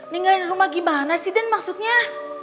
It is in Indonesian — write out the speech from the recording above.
ninggalin rumah gimana sih din maksudnya